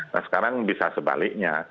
nah sekarang bisa sebaliknya